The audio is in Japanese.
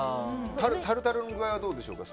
タルタルの具合はどうでしょうか？